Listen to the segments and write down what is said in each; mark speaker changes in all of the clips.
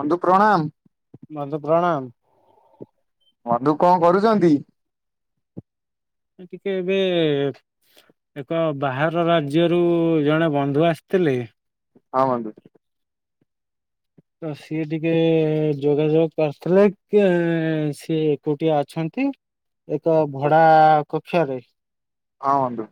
Speaker 1: ବନ୍ଧୁ ପ୍ରଣାମ୍।
Speaker 2: ବନ୍ଧୁ ପ୍ରଣାମ୍।
Speaker 1: ବନ୍ଧୁ କଁ କରୁଚନ୍ତି?
Speaker 2: ଟିକେ ଏବେ ଏକ ବାହାର ରାଜ୍ୟରୁ ଜଣେ ବନ୍ଧୁ ଆସିଥିଲେ।
Speaker 1: ହଁ ବନ୍ଧୁ।
Speaker 2: ତ ସିଏ ଟିକେ ଯୋଗାଯୋଗ କରିଥିଲେ କି ସିଏ ଏକୁଟିଆ ଅଛନ୍ତି। ଏକ ଭଡା କକ୍ଷରେ।
Speaker 1: ହଁ ବନ୍ଧୁ।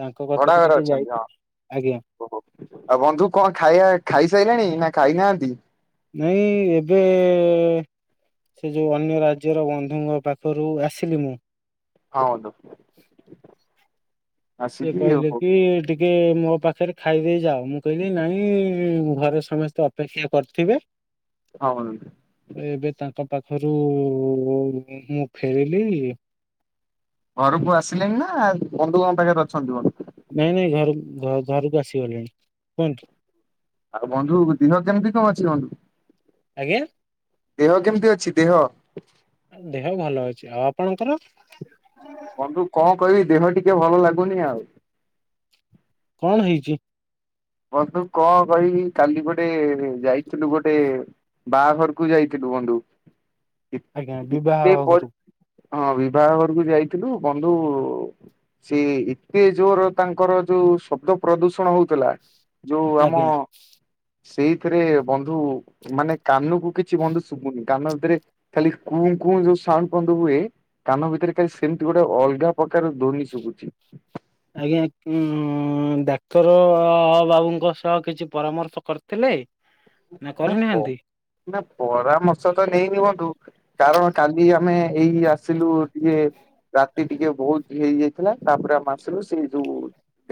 Speaker 2: ତାଙ୍କ
Speaker 1: ଭଡା
Speaker 2: କତିକିି
Speaker 1: ଘରେ
Speaker 2: ଟିକେ
Speaker 1: ଅଛନ୍ତି ହଁ।
Speaker 2: ଯାଇଛି ଆଜ୍ଞା।
Speaker 1: ଓହୋ ଆଉ ବନ୍ଧୁ କଁ ଖାଇବା ଖାଇସାଇଲାଣି ନା ଖାଇନାହାନ୍ତି?
Speaker 2: ନାଇଁ ଏବେ ସେ ଯୋଉ ଅନ୍ୟ ରାଜ୍ୟର ବନ୍ଧୁଙ୍କ ପାଖରୁ ଆସିଲି ମୁଁ।
Speaker 1: ହଁ ବନ୍ଧୁ।
Speaker 2: ସିଏ
Speaker 1: ଆସିକି
Speaker 2: କହିଲେ
Speaker 1: ହଁ
Speaker 2: କି ଟି ଟିକେ ମୋ ପାଖରେ ଖାଇଦେଇ ଯାଅ ମୁଁ କହିଲି ନାଇଁ ଘରେ ସମସ୍ତେ ଅପେକ୍ଷା କରିଥିବେ।
Speaker 1: [unintelligible]
Speaker 2: ଏବେ ତାଙ୍କ ପାଖରୁ ମୁଁ ଫେରିଲି।
Speaker 1: ଘରକୁ ଆସିଲେଣିି ନା ବନ୍ଧୁଙ୍କ ପାଖରେ ଅଛନ୍ତି?
Speaker 2: ନାଇଁ ନାଇଁ ଘରୁ ଘରୁକୁ ଆସିଗଲିଣି କୁହନ୍ତୁ।
Speaker 1: ଆଉ ବନ୍ଧୁ ଦିହ କେମିତି କଁ ଅଛି ବନ୍ଧୁ,
Speaker 2: ଆଜ୍ଞା
Speaker 1: ଦେହ କେମିତି ଅଛି ଦେହ।
Speaker 2: ଦେହ ଭଲ ଅଛି ଆଉ ଆପଣଙ୍କର?
Speaker 1: ବନ୍ଧୁ କଁ କହିବି ଦେହ ଟିକେ ଭଲ ଲାଗୁନି ଆଉ।
Speaker 2: କଣ ହେଇଚି?
Speaker 1: ବନ୍ଧୁ କଁ କହିବି କାଲି ଗୋଟେ ଯାଇଥିଲୁ ଗୋଟେ ବାହାଘରକୁ ଯାଇଥିଲୁ ବନ୍ଧୁ
Speaker 2: ଆଜ୍ଞା ବିବାହ
Speaker 1: ଏତେ ପ
Speaker 2: ଘରକୁ
Speaker 1: ହଁ ବିବାହ ଘରକୁ ଯାଇଥିଲୁ ବନ୍ଧୁ ସେ ଏତେ ଜୋର ତାଙ୍କର ଯୋଉ ଶବ୍ଦ ପ୍ରଦୂଷଣ ହୋଉଥୁଲା। ଯୋଉ ଆମ
Speaker 2: ଆଜ୍ଞା
Speaker 1: ସେଇଥିରେ ବନ୍ଧୁ ମାନେ କାନୁକୁ କିଛି ବନ୍ଧୁ ଶୁଭୁନି କାନ ଭିତରେ ଖାଲି କୁଁ କୁଁ ଯୋଉ ସାଉଣ୍ଡ ବନ୍ଧୁ ହୁଏ। କାନ ଭିତରେ କାଲି ସେମିତି ଗୋଟେ ଅଲ୍ଗା ପ୍ରକାର ଧୋନୀ ଶୁଭୁଛି।
Speaker 2: ଆଜ୍ଞା ଉଁ ଡାକ୍ତର ବାବୁଙ୍କ ସହ କିଛି ପରାମର୍ଶ କରିଥିଲେ?
Speaker 1: ନା ପ ନା ପରାମର୍ଶ ତ ନେଇନି ବନ୍ଧୁ। କାରଣ କାଲି ଆମେ ଏଇ ଆସିଲୁ ଟିକେ ରାତି ଟିକେ ବୋହୁତ୍ ହେଇଯାଇଥିଲା ତାପରେ ଆମେ ଆସିଲୁ ସେ ଯୋଉ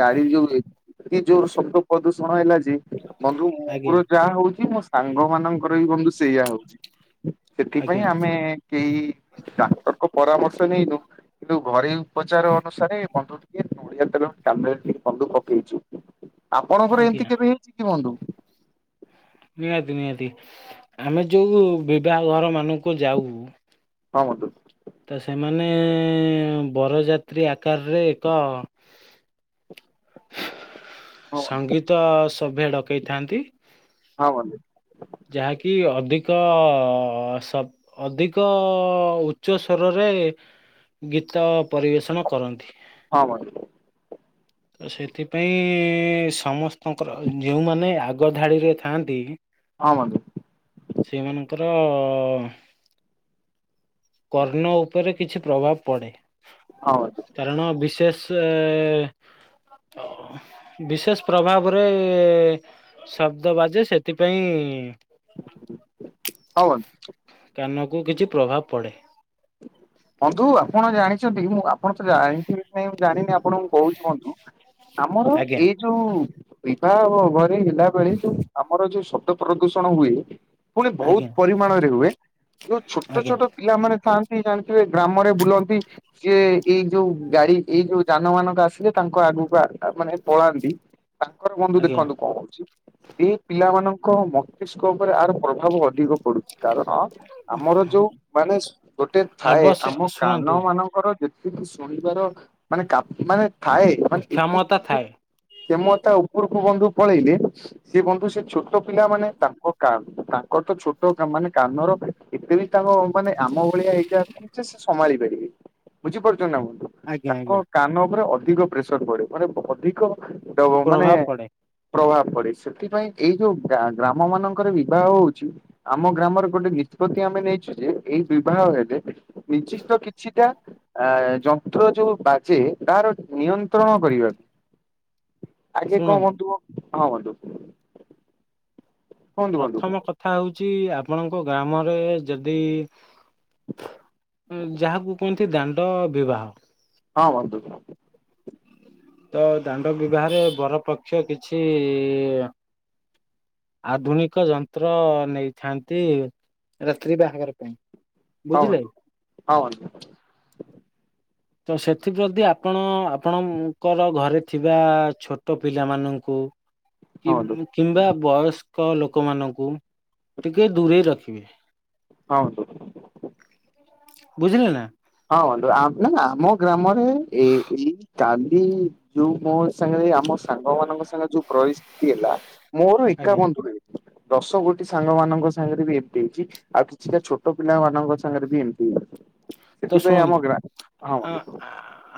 Speaker 1: ଗାଡି ଯୋଉ ଏ ଯୋଉ ଶବ୍ଦ ପ୍ରଦୂଷଣ ହେଲା ଯେ ବନ୍ଧୁ ମୋର
Speaker 2: ଆଜ୍ଞା।
Speaker 1: ଯାହା ହୋଉଚି ମୋ ସାଙ୍ଗ ମାନଙ୍କର ବି ବନ୍ଧୁ ସେଇୟା ହୋଉଚି ସେଥିପାଇଁ
Speaker 2: ଆଜ୍ଞା
Speaker 1: ଆମେ କେହି ଡାକ୍ତରଙ୍କ ପରାମର୍ଶ ନେଇନୁ। କିନ୍ତୁ ଘରେଇ ଉପଚାର ଅନୁସାରେ ବନ୍ଧୁ ଟିକେ ନଡିଆ ତେଲ କାନରେ ଟିକେ ବନ୍ଧୁ ପକେଇଛୁ। ଆପଣଙ୍କର ଏମିତି
Speaker 2: ଆଜ୍ଞା
Speaker 1: କେବେ ହେଇଛି କି ବନ୍ଧୁ?
Speaker 2: ନିହାତି ନିହାତି ଆମେ ଯେଉଁ ବିବାହ ଘର ମାନଙ୍କୁ ଯାଉ
Speaker 1: ହଁ ବନ୍ଧୁ।
Speaker 2: ତ ସେମାନେ ବରଯାତ୍ରୀ ଆକାରରେ ଏକ
Speaker 1: ହଁ ବନ୍ଧୁ
Speaker 2: ସଙ୍ଗୀତ ସଭ୍ୟ ଡକେଇଥାନ୍ତି
Speaker 1: ହଁ ବନ୍ଧୁ।
Speaker 2: ଯାହାକି ଅଧିକ ସବ ଅଧିକ ଉଚ୍ଚ ସ୍ୱରରେ ଗୀତ ପରିବେଷଣ କରନ୍ତି।
Speaker 1: ହଁ ବନ୍ଧୁ।
Speaker 2: ତ ସେଥିପାଇଁ ସମସ୍ତଙ୍କର ଯେଉଁମାନେ ଆଗ ଧାଡ଼ିରେ ଥାଆନ୍ତି
Speaker 1: ହଁ ବନ୍ଧୁ।
Speaker 2: ସେଇମାନଙ୍କର କର୍ଣ୍ଣ ଉପରେ କିଛି ପ୍ରଭାବ ପଡେ।
Speaker 1: ହୋଉ।
Speaker 2: କାରଣ ବିଶେଷ ବିଶେଷ ପ୍ରଭାବରେ ଶବ୍ଦ ବାଜେ ସେଥିପାଇଁ
Speaker 1: ହଁ ବନ୍ଧୁ।
Speaker 2: କାନକୁ କିଛି ପ୍ରଭାବ ପଡ଼େ
Speaker 1: ବନ୍ଧୁ ଆପଣ ଜାଣିଛନ୍ତି ମୁଁ ଆପଣ ତ ଜାଣି ନାଇଁ ମୁଁ ଜାଣିନି ଆପଣଙ୍କୁ କହୁଛି ବନ୍ଧୁ ଆମର
Speaker 2: ଆଜ୍ଞା।
Speaker 1: ଏଇ ଯୋଉ ବିବାହ ଘର ହେଲା ବେଳେ ଯୋଉ ଆମର ଯୋଉ ଶବ୍ଦ ପ୍ରଦୂଷଣ ହୁଏ। ପୁଣି ବହୁତ
Speaker 2: ଆଜ୍ଞା
Speaker 1: ପରିମାଣରେ ହୁଏ। ଯୋଉ ଛୋଟ
Speaker 2: ଆଜ୍ଞା
Speaker 1: ଛୋଟ ପିଲାମାନେ ଥାନ୍ତି ଜାଣିଥିବେ ଗ୍ରାମରେ ବୁଲନ୍ତି ସିଏ ଏଇ ଯୋଉ ଗାଡି ଏଇ ଯୋଉ ଯାନ ମାନଙ୍କ ଆସିଲେ ତାଙ୍କ ଆଗକୁ ଆ ମାନେ ପଳାନ୍ତି। ତାଙ୍କର ବନ୍ଧୁ
Speaker 2: ଆଜ୍ଞା
Speaker 1: ଦେଖନ୍ତୁ କଣ ହଉଛି। ଏଇ ପିଲାମାନଙ୍କ ମସ୍ତିଷ୍କ ଉପରେ ଆହାର ପ୍ରଭାବ ଅଧିକ। ପଡୁଚି। କାରଣ ଆମର ଯୋଉ ମାନେ ସ ଗୋଟେ ଥାଏ
Speaker 2: ଆବଶ୍ୟ
Speaker 1: ଆମ
Speaker 2: ଶୁଣନ୍ତୁ
Speaker 1: କାନ ମାନଙ୍କର ଯେତିକି ଶୁଣିବାର ମାନେ କା ମାନେ ଥାଏ ମାନେ
Speaker 2: କ୍ଷମତା
Speaker 1: ଏତିକି
Speaker 2: ଥାଏ।
Speaker 1: କ୍ଷମତା ଉପରକୁ ବନ୍ଧୁ ପଳେଇଲେ ସେ ବନ୍ଧୁ ସେ ଛୋଟ ପିଲା ମାନେ ତାଙ୍କ କା ତାଙ୍କର ତ ଛୋଟ କା ମାନେ କାନର ଏତେ ବି ତାଙ୍କ ମାନେ ଆମ ଭଳିଆ ହେଇଯାଇନି ଯେ ସେ ସମ୍ଭାଳି ପାରିବେ ବୁଝିପାରୁଛନ୍ତି ନା ବନ୍ଧୁ।
Speaker 2: ଆଜ୍ଞା
Speaker 1: ତାଙ୍କ
Speaker 2: ଆଜ୍ଞା।
Speaker 1: କାନ ଉପରେ ଅଧିକ ପ୍ରେସର ପଡେ ମାନେ ଅଧିକ ଡ ମାନେ
Speaker 2: ପ୍ରଭାବ ପଡେ
Speaker 1: ପ୍ରଭାବ ପଡେ। ସେଥିପାଇଁ ଏଇ ଯୋଉ ଗା ଗ୍ରାମ ମାନଙ୍କରେ ବିବାହ ହଉଛି ଆମ ଗ୍ରାମରେ ଗୋଟେ ନିଷ୍ପତ୍ତି ଆମେ ନେଇଛୁ ଯେ ଏଇ ବିବାହ ହେଲେ ନିଜିଷ୍ଟ କିଛିଟା ଆ ଯନ୍ତ୍ର ଯୋଉ ବାଜେ ତାର ନିୟନ୍ତ୍ରଣ କରିବାକୁ ଆଗେ କଣ
Speaker 2: ଶୁଣନ୍ତୁ
Speaker 1: ହୁଅନ୍ତୁ ହଁ ହଁ ବନ୍ଧୁ। କୁହନ୍ତୁ ବନ୍ଧୁ
Speaker 2: ପ୍ରଥମ କଥା ହଉଛି ଆପଣଙ୍କ ଗ୍ରାମରେ ଯଦି ଯାହାକୁ କୁହନ୍ତି ଦାଣ୍ଡ ବିବାହ
Speaker 1: ହଁ ବନ୍ଧୁ।
Speaker 2: ତ ଦାଣ୍ଡ ବିବାହରେ ବର ପକ୍ଷ କିଛି ଆଧୁନିକ ଯନ୍ତ୍ର ନେଇଥାନ୍ତି। ରାତ୍ରି ବାହାଘର ପାଇଁ
Speaker 1: ହଁ
Speaker 2: ବୁଝିଲେ।
Speaker 1: ବନ୍ଧୁ ହଁ ବନ୍ଧୁ
Speaker 2: ତ ସେଥି ଯଦି ଆପଣ ଆପଣ ଙ୍କର ଘରେ ଥିବା ଛୋଟ ପିଲାମାନଙ୍କୁ
Speaker 1: ହଁ
Speaker 2: କି
Speaker 1: ବନ୍ଧୁ
Speaker 2: କିମ୍ବା ବୟସ୍କ ଲୋକମାନଙ୍କୁ ଟିକେ ଦୂରେଇ ରଖିବେ।
Speaker 1: ହ ବନ୍ଧୁ।
Speaker 2: ବୁଝିଲେ ନା
Speaker 1: ହଁ ନା ନା ଆମ ଗ୍ରାମରେ ଏ ଏଇ କାଲି ଯୋଉ ମୋ ସାଙ୍ଗେରେ ଆମ ସାଙ୍ଗ ମାନଙ୍କ ସାଙ୍ଗରେ ଯୋଉ ପରିସ୍ଥିତି ହେଲା ମୋର ଏକା
Speaker 2: ଆଜ୍ଞା
Speaker 1: ବନ୍ଧୁ ଦଶ ଗୋଟି ସାଙ୍ଗ ମାନଙ୍କ ସାଙ୍ଗରେ ବି ଏମିତି ହେଇଛି। ଆଉ କିଛିଟା ଛୋଟ ପିଲାମାନାନଙ୍କ ସାଙ୍ଗରେ ବି ଏମିତି
Speaker 2: ତ
Speaker 1: ସେଥିପାଇଁ ଆମ
Speaker 2: ଶୁଣନ୍ତୁ
Speaker 1: ଗ୍ରା ହଁ
Speaker 2: ଆ
Speaker 1: ବନ୍ଧୁ
Speaker 2: ହା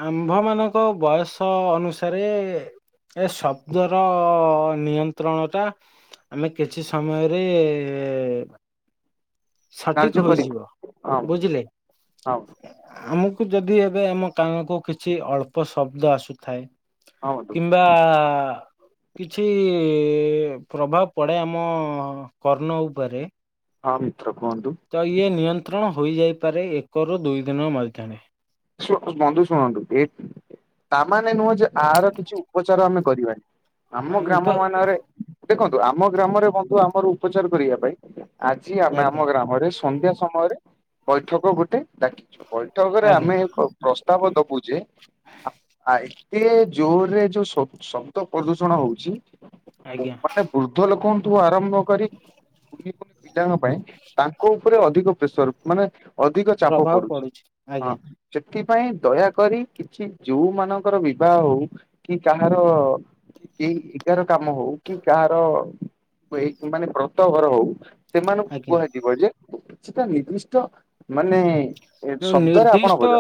Speaker 2: ଆମ୍ଭମାନଙ୍କ ବୟସ ଅନୁସାରେ ଏ ଶବ୍ଦର ନିୟନ୍ତ୍ରଣ ଟା ଆମେ କିଛି ସମୟରେ ସଠିକ୍
Speaker 1: କାର୍ଯ୍ୟ କରିବି
Speaker 2: ହେଇଯିବ
Speaker 1: ହଁ ବନ୍ଧୁ
Speaker 2: ବୁଝିଲେ।
Speaker 1: ହଁ ବନ୍ଧୁ
Speaker 2: ଆମକୁ ଯଦି ଏବେ ଆମ କାନକୁ କିଛି ଅଳ୍ପ ଶବ୍ଦ ଆସୁଥାଏ
Speaker 1: ହଁ ବନ୍ଧୁ।
Speaker 2: ବା କିଛି ପ୍ରଭାବ ପଡ଼େ ଆମ କର୍ଣ୍ଣ ଉପରେ।
Speaker 1: ହଁ ମିତ୍ର କୁହନ୍ତୁ।
Speaker 2: ତ ଇଏ ନିୟନ୍ତ୍ରଣ ହୋଇଯାଇପାରେ ଏକରୁ ଦୁଇ ଦିନ ମଧ୍ୟରେ।
Speaker 1: ଶୁ ବନ୍ଧୁ ଶୁଣନ୍ତୁ ଏ ତାମାନେ ନୁହଁ ଯେ ଆର କିଛି ଉପଚାର ଆମେ କରିବାନି। ଆମ ଗ୍ରାମ
Speaker 2: ଆଜ୍ଞା
Speaker 1: ମାନରେ ଦେଖନ୍ତୁ ଆମ ଗ୍ରାମରେ ବନ୍ଧୁ ଆମର ଉପଚାର କରିବା ପାଇଁ ଆଜି ଆମେ
Speaker 2: ଆଜ୍ଞା
Speaker 1: ଆମ ଗ୍ରାମରେ ସନ୍ଧ୍ୟା ସମୟରେ ବୈଠକ ଗୋଟେ ଡାକିଚୁ। ବୈଠକରେ
Speaker 2: ଆଜ୍ଞା
Speaker 1: ଆମେ ଏକ ପ୍ରସ୍ତାବ ଦବୁ ଯେ ଆ ଆ ଏତେ ଜୋରରେ ଯୋଉ ଶ ଶବ୍ଦ ପ୍ରଦୂଷଣ ହଉଚି
Speaker 2: ଆଜ୍ଞା
Speaker 1: ମାନେ ବୃଦ୍ଧ ଲୋକ ଙ୍କ ଠୁ ଆରମ୍ଭ କରି କୁନି କୁନି ପିଲାଙ୍କ ପାଇଁ ତାଙ୍କ ଉପରେ ଅଧିକ ପ୍ରେସର ମାନେ ଅଧିକ ଚାପ
Speaker 2: ପ୍ରଭାବ
Speaker 1: ପଡୁଚି
Speaker 2: ପଡୁଛି ଆଜ୍ଞା
Speaker 1: ହଁ। ସେଥିପାଇଁ ଦୟାକରି କିଛି ଯୋଉ ମାନଙ୍କର ବିବାହ ହଉ କି କାହାର କି କେହି ଏଗାର କାମ ହଉ କି କାହାର ମାନେ ବ୍ରତ ଘର ହଉ ସେମାନଙ୍କୁ
Speaker 2: ଆଜ୍ଞା
Speaker 1: କୁହାଯିବ ଯେ କିଛିଟା ନିର୍ଦ୍ଦିଷ୍ଟ ମାନେ ଏ
Speaker 2: ତେଣୁ
Speaker 1: ଶବ୍ଦରେ ଆପଣ
Speaker 2: ନିର୍ଦ୍ଦିଷ୍ଟ
Speaker 1: ବଜା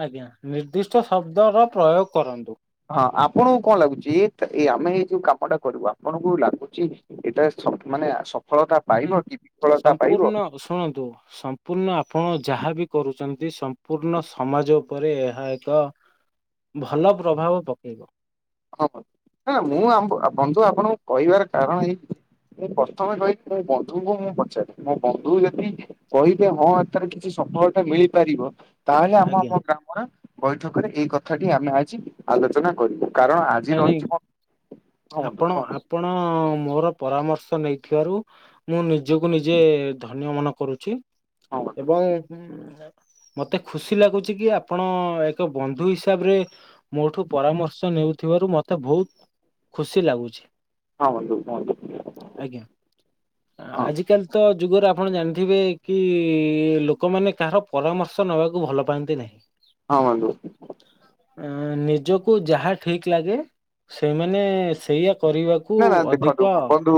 Speaker 2: ଆଜ୍ଞା ନିର୍ଦ୍ଦିଷ୍ଟ ଶବ୍ଦ ର ପ୍ରୟୋଗ କରନ୍ତୁ।
Speaker 1: ହଁ ଆପଣଙ୍କୁ କଣ ଲାଗୁଚି ଏ ଆମେ ଏଇ ଯୋଉ କାମ ଟା କରିବୁ ଆପଣଙ୍କୁ ଲାଗୁଚି ଏଇଟା ସପ୍ ମାନେ ସଫଳତା ପାଇବ
Speaker 2: ନାଇଁ
Speaker 1: କି ବିଫଳତା ପାଇବ
Speaker 2: ସମ୍ପୂର୍ଣ୍ଣ ଶୁଣନ୍ତୁ ସ ସମ୍ପୂର୍ଣ୍ଣ ଆପଣ ଯାହାବି କରୁଛନ୍ତି ସମ୍ପୂର୍ଣ୍ଣ ସମାଜ ଉପରେ ଏହା ଏକ ଭଲ ପ୍ରଭାବ ପକେଇବ।
Speaker 1: ହଁ ବନ୍ଧୁ। ନା ମୁଁ ଆ ବନ୍ଧୁ ଆପଣଙ୍କୁ କହିବାର କାରଣ ଏଇ ମୁଁ ପ୍ରଥମେ କହି ମୋ ବନ୍ଧୁଙ୍କୁ ମୁଁ ପଚାରେ ମୋ ବନ୍ଧୁ ଯଦି କହିବେ ହଁ ଏଥିରେ କିଛି ସଫଳତା ମିଳିପାରିବ ତାହେଲେ ଆମ
Speaker 2: ଆଜ୍ଞା
Speaker 1: ଆମ ଗ୍ରାମର ବୈଠକରେ ଏଇ କଥାଟି ଆମେ ଆଜି ଆଲୋଚନା କରିବୁ। କାରଣ ଆଜି
Speaker 2: ନାଇଁ ନାଇଁ
Speaker 1: ରହିଚି କୁହନ୍ତୁ
Speaker 2: ଆପଣ
Speaker 1: କୁହନ୍ତୁ।
Speaker 2: ଆପଣ ମୋର ପରାମର୍ଶ ନେଇଥିବାରୁ ମୁଁ ନିଜକୁ ନିଜେ ଧନ୍ୟ ମନେ କରୁଚି।
Speaker 1: ହଁ ବନ୍ଧୁ
Speaker 2: ଏବଂ ମତେ ଖୁସି ଲାଗୁଛି କି ଆପଣ ଏକ ବନ୍ଧୁ ହିସାବରେ ମୋ ଠୁ ପରାମର୍ଶ ନେଉଥିବାରୁ ମତେ ବହୁତ ଖୁସି ଲାଗୁଚି।
Speaker 1: ହଁ ବନ୍ଧୁ କୁହନ୍ତୁ।
Speaker 2: ଆଜ୍ଞା। ଆ
Speaker 1: ହଁ
Speaker 2: ଆଜିକାଲି ତ ଯୁଗରେ ଆପଣ ଜାଣିଥିବେ କି ଲୋକମାନେ କାହାର ପରାମର୍ଶ ନେବାକୁ ଭଲ ପାଆନ୍ତି ନାହିଁ। [inaudible]
Speaker 1: ହଁ ବନ୍ଧୁ।
Speaker 2: ଏଁ ନିଜକୁ ଯାହା ଠିକ୍ ଲାଗେ ସେଇମାନେ ସେଇଆ କରିବାକୁ
Speaker 1: ନା ନା
Speaker 2: ଅଧିକ
Speaker 1: ଦେଖନ୍ତୁ ମୁଁ ବୁବନ୍ତୁ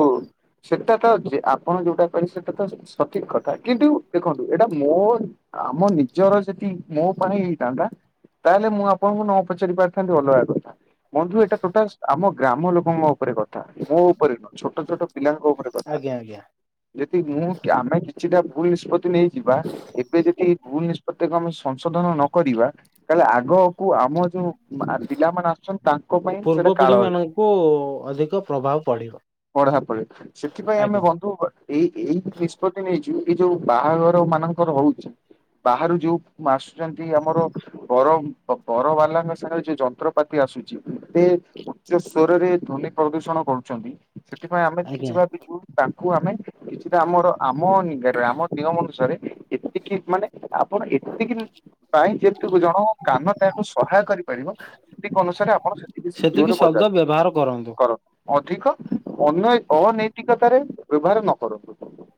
Speaker 1: ସେଟା ତ ଅଛି ଆପଣ ଯୋଉଟା ପାଇବେ ସେଟା ତ ଆସି ସଠିକ୍ କଥା କିନ୍ତୁ ଦେଖନ୍ତୁ ଏଇଟା ମୋ ଆମ ନିଜର ସେଠି ମୋ ପାଇ ହେଇଥାନ୍ତା ତାହେଲେ ମୁଁ ଆପଣଙ୍କୁ ନ ପଚାରି ପାରିଥାନ୍ତି ଅଲଗା କଥା। ବନ୍ଧୁ ଏଟା ଟୋଟାଲ ଆମ ଗ୍ରାମ ଲୋକଙ୍କ ଉପରେ କଥା ମୋ ଉପରେ ନୁହଁ। ଛୋଟ ଛୋଟ ପିଲାଙ୍କ ଉପରେ କଥା।
Speaker 2: ଆଜ୍ଞା ଆଜ୍ଞା।
Speaker 1: ଯଦି ମୁଁ ଆମେ କିଛି ଟା ଭୁଲ ନିଷ୍ପତି ନେଇଯିବା ଏବେ ଯଦି ଭୁଲ ନିଷ୍ପତ୍ତିକୁ ଆମେ ସଂଶୋଧନ ନ କରିବା। ତାହାଲେ ଆଗକୁ ଆମ ଯୋଉ ପିଲାମାନେ ଆ ଛନ୍ତି ତାଙ୍କ ପାଇଁ ସେଇଟା
Speaker 2: ପୂର୍ବ
Speaker 1: କାଳ
Speaker 2: ପିଢି
Speaker 1: ହେଇଯିବ।
Speaker 2: ମାନଙ୍କୁ ଅଧିକ ପ୍ରଭାବ ପଡିବ।
Speaker 1: ପଢା ପଢି ସେଥିପାଇଁ ଆମେ
Speaker 2: ଆଜ୍ଞା
Speaker 1: ବନ୍ଧୁ କ ଏଇ ଏଇ ନିଷ୍ପତି ନେଇଚୁ ଏଇ ଯୋଉ ବାହାଘର ମାନଙ୍କର ହୋଉଚି। ବାହାରୁ ଯୋଉ ଆସୁଛନ୍ତି ଆମର ବର ବର ବାଲାଙ୍କ ସଙ୍ଗରେ ଯୋଉ ଯନ୍ତ୍ରପାତି ଆସୁଛି ସେ ଉଚ୍ଚ ସ୍ଵରରେ ଧ୍ଵନି ପ୍ରଦୂଷଣ କରୁଛନ୍ତି ସେଥିପାଇଁ ଆମେ କିଛି
Speaker 2: ଆଜ୍ଞା।
Speaker 1: ଭାବିଛୁ ତାକୁ ଆମେ କିଛି ତ ଆମର ଆମ ନିଗାରା ରେ ଆମ ନିୟମ ଅନୁସାରେ ଏତିକି ମାନେ ଆପଣ ଏତିକି ପାଇଁ ଯେତୁ ଜଣ କାନ ତାକୁ ସହାୟ କରି ପାରିବ ସେତିକି ଅନୁସାରେ ଆପଣ ସେତିକି ଜୋରରେ ବଜାନ୍ତୁ।
Speaker 2: ବ୍ୟବହାର କରନ୍ତୁ।
Speaker 1: ଅଧିକ ଅନ ଅନୈତିକତାରେ ବ୍ୟବହାର ନ କରନ୍ତୁ।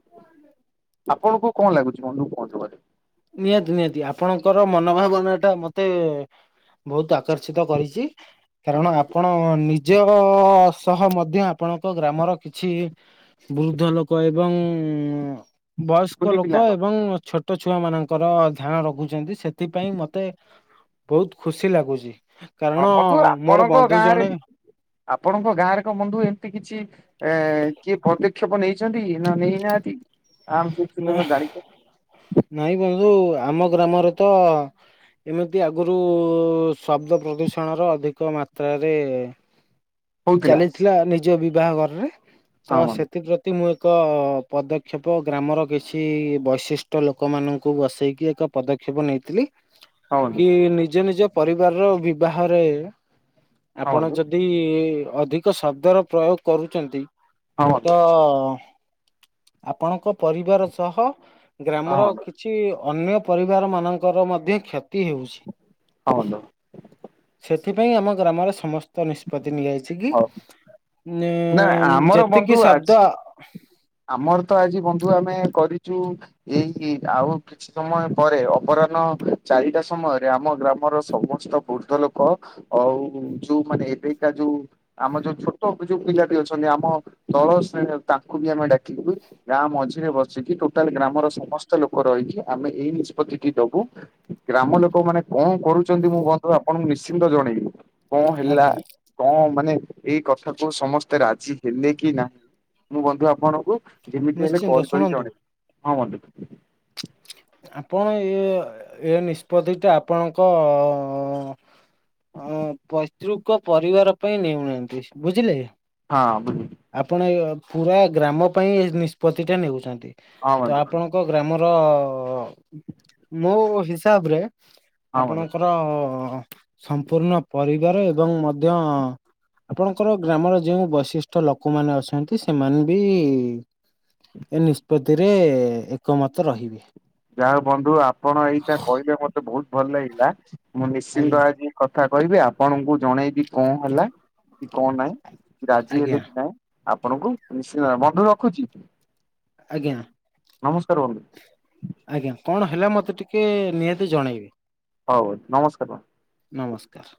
Speaker 1: ଆପଣଙ୍କୁ କଣ ଲାଗୁଛି ମନକୁ। [unintelligible]
Speaker 2: ନିହାତି ନିହାତି ଆପଣଙ୍କର ମନଭାବନା ଟା ମତେ ବହୁତ ଆକର୍ଷିତ କରିଛି। କାରଣ ଆପଣ ନିଜ୍‌ ଝିଅ ସହ ମଧ୍ୟ ଆପଣଙ୍କ ଗ୍ରାମର କିଛି ବୃଦ୍ଧ ଲୋକ ଏବଂ ବୟସ୍କ
Speaker 1: କୁନି
Speaker 2: ଲୋକ
Speaker 1: ପିଲାଙ୍କ
Speaker 2: ଏବଂ ଛୋ ଛୁଆ ମାନଙ୍କର ଧ୍ୟାନ ରଖୁଛନ୍ତି ସେଥିପାଇଁ ମତେ ବହୁତ ଖୁସି ଲାଗୁଛି।
Speaker 1: ହଁ
Speaker 2: କାରଣ
Speaker 1: ବନ୍ଧୁ
Speaker 2: ମୋର
Speaker 1: ଆପଣଙ୍କ
Speaker 2: ବନ୍ଧୁ
Speaker 1: ଗାଁରେ
Speaker 2: ଜଣେ
Speaker 1: ଆପଣଙ୍କ ଗାଁରେ ଏକ ବନ୍ଧୁ ଏମିତି କିଛି। ଏ କିଏ ପଦକ୍ଷେପ ନେଇଛନ୍ତି ନା ନେଇନାହାନ୍ତି। [unintelligible]
Speaker 2: ନାଇଁ ବନ୍ଧୁ ଆମ ଗ୍ରାମରେ ତ ଏମିତି ଆଗରୁ ଶବ୍ଦ ପ୍ରଦୂଷଣର ଅଧିକ ମାତ୍ରାରେ
Speaker 1: ହଉଥିଲା
Speaker 2: ଚାଲିଥିଲା ନିଜ ବିବାହ ଘରରେ
Speaker 1: ହଁ
Speaker 2: ତ
Speaker 1: ବନ୍ଧୁ
Speaker 2: ସେଥିପ୍ରତି। ମୁଁ ଏକ ପଦକ୍ଷେପ ଗ୍ରାମର କିଛି ବୈଶିଷ୍ଟ ଲୋକମାନାନଙ୍କୁ ବସେଇକି ଏକ ପଦକ୍ଷେପ ନେଇଥିଲି।
Speaker 1: ହଁ ବନ୍ଧୁ
Speaker 2: କି ନିଜ ନିଜ ପରିବାରର ବିବାହରେ
Speaker 1: ହଁ
Speaker 2: ଆପଣ
Speaker 1: ବନ୍ଧୁ
Speaker 2: ଯଦି ଯଦି ଅଧିକ ଶବ୍ଦର ପ୍ରୟୋଗ କରୁଛନ୍ତି
Speaker 1: ହଁ ବନ୍ଧୁ ହଁ ବନ୍ଧୁ
Speaker 2: ତ ଆପଣଙ୍କ ପରିବାର ସହ ଗ୍ରାମର କି କିଛି ଅନ୍ୟ ପରିବାର ମାନଙ୍କର ମଧ୍ୟ କ୍ଷତି ହେଉଛି।
Speaker 1: ହଅନ୍ତ।
Speaker 2: ସେଥିପାଇଁ ଆମ ଗ୍ରାମରେ ସମସ୍ତ ନିଷ୍ପତ୍ତି ନିଆଯାଇଛି କି
Speaker 1: ହଉ ନା
Speaker 2: ଉ
Speaker 1: ଆମର ବନ୍ଧୁ
Speaker 2: ଯେତିକି
Speaker 1: ଆଜି
Speaker 2: ଶବ୍ଦ।
Speaker 1: ଆମର ତ ଆଜି ବନ୍ଧୁ ଆମେ କରିଛୁ ଏଇ ଆଉ। କିଛି ସମୟ ପରେ ଅପରାହ୍ନ ଚାରିଟା ସମୟରେ ଆମ ଗ୍ରାମର ସମସ୍ତ ବୃଦ୍ଧ ଲୋକ। ଆଉ ଯୋଉ ମାନେ ଏବେକା ଯୋଉ ଆମ ଯୋଉ ଛୋଟ ଅ ଯୋଉ ପିଲାଟି ଅଛନ୍ତି ଆମ ଦଳ ତାଙ୍କୁ ବି ଆମେ ଡାକିବୁ ବୁଝିଲେ। ଗାଁ ମଝିରେ ବସିକି ଟୋଟାଲ ଗ୍ରାମର ସମସ୍ତ ଲୋକ ରହିକି ଆମେ ଏଇ ନିଷ୍ପତ୍ତି ଟି ଦବୁ। ଗ୍ରାମ ଲୋକ ମାନେ କଣ କରୁଛନ୍ତି ମୁଁ ବନ୍ଧୁ ଆପଣଙ୍କୁ ନିଶ୍ଚିନ୍ତ ଜଣେଇବି କଣ ହେଲା।
Speaker 2: ଆଜ୍ଞା
Speaker 1: କଣ ମାନେ ଏଇ କଥାକୁୁ ସମସ୍ତେ ରାଜି ହେଲେ କି ନାହିଁ ମୁଁ ବନ୍ଧୁ ଆପଣଙ୍କୁ ଯେମିତି ହେଲେ
Speaker 2: ନିଶ୍ଚିନ୍ତ
Speaker 1: କଲ କରିକି
Speaker 2: ଶୁଣନ୍ତୁ
Speaker 1: ଜଣେଇବି ହଁ ବନ୍ଧୁ।
Speaker 2: ଆପଣ ଏ ଏ ନିଷ୍ପତ୍ତିଟା ଆପଣଙ୍କ ଅ ଅ ହଁ ପୈତୃକ ପରିବାର ପାଇଁ ନେଉନାହାନ୍ତି ବୁଝିଲେ କି?
Speaker 1: ହଁ ବୁଝୁ।
Speaker 2: ଆପଣ ଏ ପୁରା ଗ୍ରାମ ପାଇଁ ଏ ନିଷ୍ପତି ଟା ନେଉଛନ୍ତି
Speaker 1: ହଁ
Speaker 2: ତ
Speaker 1: ବନ୍ଧୁ ହଁ
Speaker 2: ଆପଣ। ଗ୍ରାମର ମୋ ହିସାବରେ
Speaker 1: ବନ୍ଧୁ।
Speaker 2: ଆପଣଙ୍କ ଆର ସମ୍ପୂର୍ଣ୍ଣ ପରିବାର ଏବଂ ମଧ୍ୟ ଆପଣଙ୍କର ଗ୍ରାମର ଯୋଉ ବୈଶିଷ୍ଟଠ ଲୋକମାନେ ଅଛନ୍ତି ସେମାନେ ବି ଏ ନିଷ୍ପତ୍ତିରେ ଏକମତ ରହିବେ।
Speaker 1: ଯାହା ବନ୍ଧୁ ଆପଣ ଏଇଟା କହିଲେ ମତେ ବହୁତ ଭଲ ଲାଗିଲା ମୁଁ
Speaker 2: ଆଜ୍ଞା
Speaker 1: ନିଶ୍ଚିନ୍ତ ଆଜି କଥା କହିବି ଆପଣଙ୍କୁ ଜଣେଇବି କଣ ହେଲା କି କଣ ନାହିଁ କି ରାଜି
Speaker 2: ଆଜ୍ଞା
Speaker 1: ହେଲେ କି ନାହିଁ। ଆପଣଙ୍କୁ ନିଶ୍ଚିନ୍ତ ବନ୍ଧୁ ରଖୁଛି।
Speaker 2: ଆଜ୍ଞା।
Speaker 1: ନମସ୍କାର ବନ୍ଧୁ।
Speaker 2: ଆଜ୍ଞା କଣ ହେଲା ମତେ ଟିକେ ନିହାତି ଜଣେଇବି।
Speaker 1: ହଉ ନମସ୍କାର ବନ୍ଧୁ।
Speaker 2: ନମସ୍କାର।